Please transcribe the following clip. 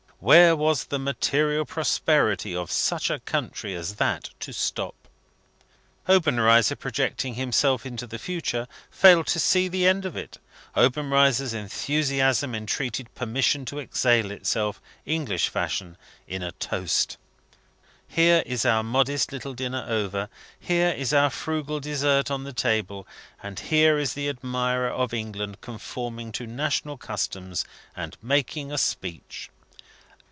Where was the material prosperity of such a country as that to stop? Obenreizer, projecting himself into the future, failed to see the end of it. Obenreizer's enthusiasm entreated permission to exhale itself, English fashion, in a toast. Here is our modest little dinner over, here is our frugal dessert on the table, and here is the admirer of England conforming to national customs, and making a speech!